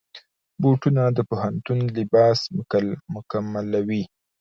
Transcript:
بوټونه د پوهنتون لباس مکملوي.